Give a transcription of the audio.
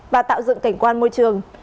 và tạo dựng cảnh quan môi trường